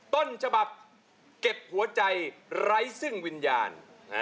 ต้นฉบับเก็บหัวใจไร้ซึ่งวิญญาณ